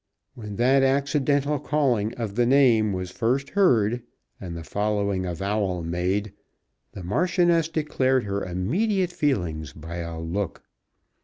When that accidental calling of the name was first heard and the following avowal made, the Marchioness declared her immediate feelings by a look.